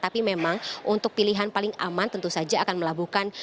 tapi memang untuk pilihan paling aman tentu saja akan melakukan